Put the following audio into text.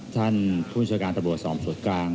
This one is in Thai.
ท่านผู้จัดการตะโบทป์สมสตรกลาง